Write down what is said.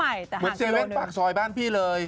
เหมือน๗๑๑ปากซอยบ้านพี่เลย